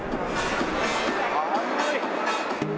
寒い。